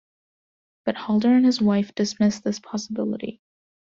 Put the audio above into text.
But Haldar and his wife dismiss this possibility.